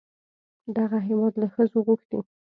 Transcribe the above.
دغه هېواد له ښځو غوښتي